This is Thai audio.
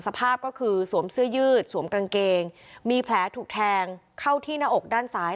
สภาพก็คือสวมเสื้อยืดสวมกางเกงมีแผลถูกแทงเข้าที่หน้าอกด้านซ้าย